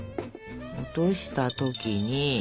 落とした時に。